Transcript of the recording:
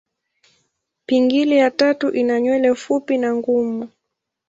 Pingili ya tatu ina nywele fupi na ngumu.